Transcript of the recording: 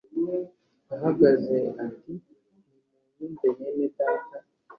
ahagaze ati nimunyumve bene data